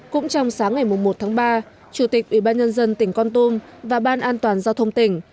cũng trong sáng ngày một tháng ba chủ tịch ủy ban nhân dân tỉnh con tum và ban an toàn giao thông tỉnh